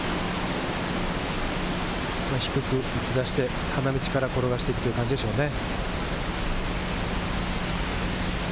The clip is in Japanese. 低く打ち出して、花道から転がしていくという感じでしょうね。